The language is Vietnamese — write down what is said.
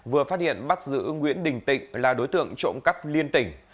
vừa phát hiện bắt giữ nguyễn đình tịnh là đối tượng trộm cắp liên tỉnh